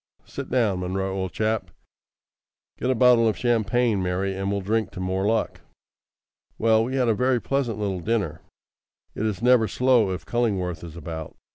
"Sit down, Munro, old chap. Get a bottle of champagne, Mary, and we'll drink to more luck." Well, we had a very pleasant little dinner. It is never slow if Cullingworth is about.